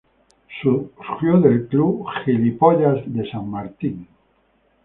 Surgió del club amateur San Martín Boys.